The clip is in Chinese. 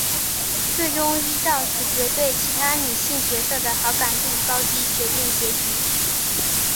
最终依照主角对其他女性角色的好感度高低决定结局。